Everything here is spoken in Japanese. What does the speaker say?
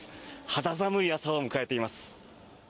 肌寒い朝を迎えています。